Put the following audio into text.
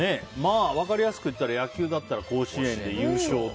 分かりやすく言ったら野球だったら甲子園で優勝。